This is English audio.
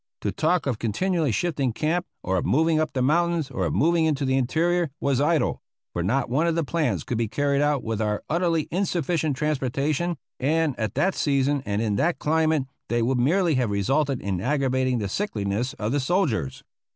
To talk of continually shifting camp or of moving up the mountains or of moving into the interior was idle, for not one of the plans could be carried out with our utterly insufficient transportation, and at that season and in that climate they would merely have resulted in aggravating the sickliness of the soldiers.